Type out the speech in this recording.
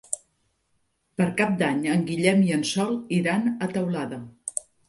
Per Cap d'Any en Guillem i en Sol iran a Teulada.